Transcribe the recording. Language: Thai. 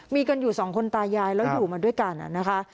มีกันอยู่สองคนตายายแล้วอยู่มาด้วยกันนะคะ